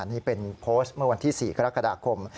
นี่เป็นโพสต์เมื่อวันที่๔กรกฎาคม